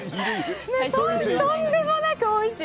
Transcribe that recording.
とんでもなくおいしい！